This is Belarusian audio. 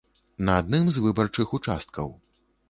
На адным з выбарчых участкаў.